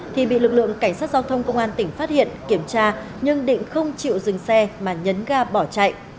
thì bị lực lượng cảnh sát giao thông công an tỉnh phát hiện kiểm tra nhưng định không chịu dừng xe mà nhấn ga bỏ chạy